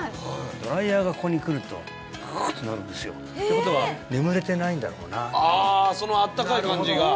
ドライヤーがここにくると「ぐぅぅっ！」ってなるんですよってことは眠れてないんだろうなあそのあったかい感じが？